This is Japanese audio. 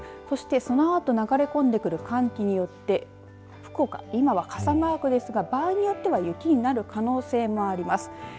そして、そのあと流れ込んでくる寒気によって福岡、今は傘マークですが場合によっては雪になる可能性もあります。